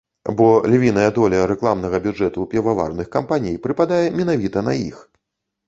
Бо львіная доля рэкламнага бюджэту піваварных кампаній прыпадае менавіта на іх.